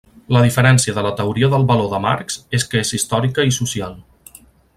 La diferència de la teoria del valor de Marx és que és històrica i social.